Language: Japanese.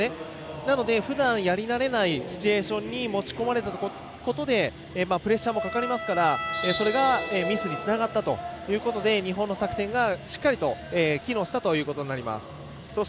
なので、ふだんやり慣れないシチュエーションに持ち込まれたことでプレッシャーもかかりますからそれがミスにつながったということで日本の作戦がしっかり機能したということになります。